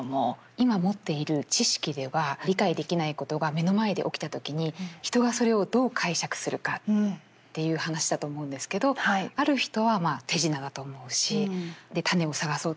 今持っている知識では理解できないことが目の前で起きた時に人はそれをどう解釈するかっていう話だと思うんですけどある人はまあ手品だと思うしでタネを探そうとしますよね。